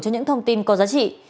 cho những thông tin có giá trị